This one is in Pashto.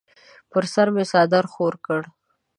پر سر مې څادر خور کړ.